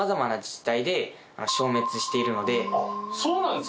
あっそうなんですか？